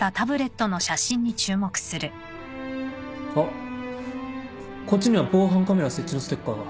あっこっちには防犯カメラ設置のステッカーが。